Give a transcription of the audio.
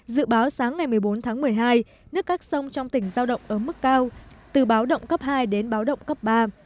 dự báo sáng ngày một mươi bốn tháng một mươi hai nước các sông trong tỉnh giao động ở mức cao từ báo động cấp hai đến báo động cấp ba